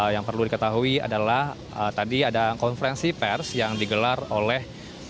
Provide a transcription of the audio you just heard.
yang perlu diketahui adalah tadi ada konferensi pers yang digelar oleh